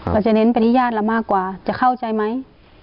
จะเน้นไปที่ญาติเรามากกว่าจะเข้าใจไหม